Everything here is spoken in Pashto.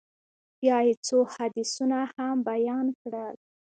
بيا يې څو حديثونه هم بيان کړل.